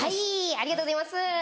ありがとうございます。